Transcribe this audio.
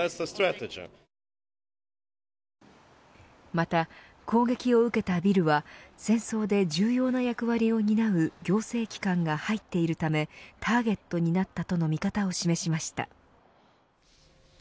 また攻撃を受けたビルは戦争で重要な役割を担う行政機関が入っているためターゲットになったとの見方を示しました。